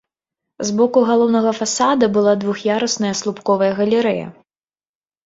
З боку галоўнага фасада была двух'ярусная слупковая галерэя.